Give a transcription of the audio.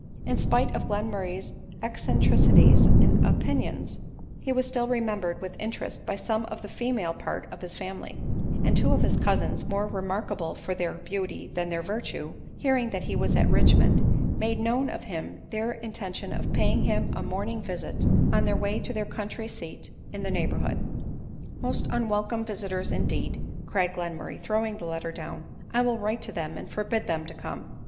In spite of Glenmurray's eccentricities and opin ions, he was still remembered with interest by some of the female part of his family ; and two of his cousins more remarkable for their beauty than their virtue, hearing that he was at Richmond, made known to him their in tention of paying him a morning visit on their way to their country seat in the neighborhood. " Most unwelcome visiters, indeed !" cried Glenmur ray, throwing the letter down ;" I will write to them, and forbid them to come."